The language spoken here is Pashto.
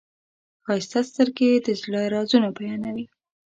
ښایسته سترګې د زړه رازونه بیانوي.